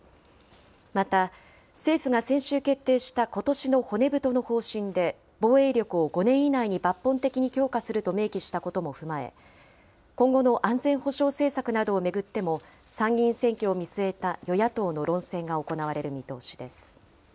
また、政府が先週決定したことしの骨太の方針で、防衛力を５年以内に抜本的に強化すると明記したことも踏まえ、今後の安全保障政策などを巡っても、参議院選挙を見据えた与野党の論